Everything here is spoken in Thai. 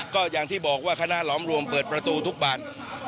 ก็อย่างที่บอกว่าคณะหลอมรวมเปิดประตูทุกบาน